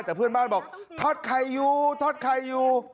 แต่เพื่อนบ้านบอกทอดไข่อยู่ทอดไข่อยู่